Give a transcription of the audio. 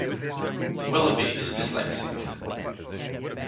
Willoughby is dyslexic.